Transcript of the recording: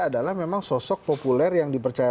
adalah memang sosok populer yang dipercaya